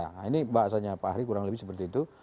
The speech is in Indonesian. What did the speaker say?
nah ini bahasanya fahri kurang lebih seperti itu